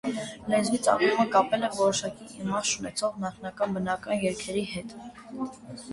Լեզվի ծագումը կապել է որոշակի իմաստ չունեցող նախնական բնական երգերի հետ։